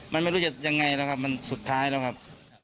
มันไม่รู้จะยังไงแล้วครับมันสุดท้ายแล้วครับ